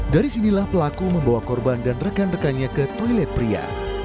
dari sinilah pelaku membawa korban dan rekan rekannya ke toilet pria